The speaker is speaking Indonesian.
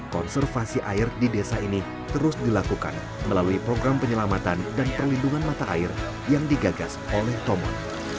konservasi air di desa ini terus dilakukan melalui program penyelamatan dan perlindungan mata air yang digagas oleh tomat